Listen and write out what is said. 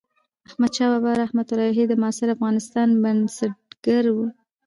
احمدشاه بابا رحمة الله علیه د معاصر افغانستان بنسټګر و.